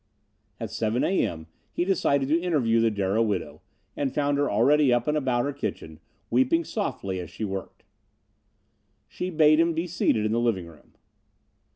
At seven A. M. he decided to interview the Darrow widow, and found her already up and about her kitchen, weeping softly as she worked. She bade him be seated in the living room.